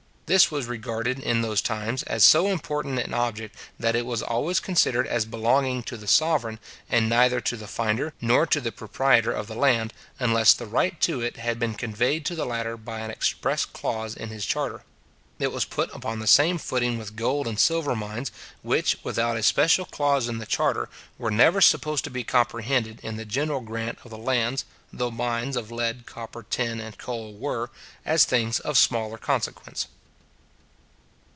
This was regarded, in those times, as so important an object, that it was always considered as belonging to the sovereign, and neither to the finder nor to the proprietor of the land, unless the right to it had been conveyed to the latter by an express clause in his charter. It was put upon the same footing with gold and silver mines, which, without a special clause in the charter, were never supposed to be comprehended in the general grant of the lands, though mines of lead, copper, tin, and coal were, as things of smaller consequence.